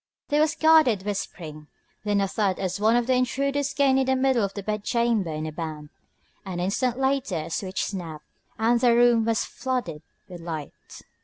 There was guarded whispering, then a thud as one of the intruders gained the middle of the bedchamber in a bound. An instant later a switch snapped, and the room was flooded with light.